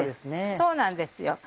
そうなんですよ。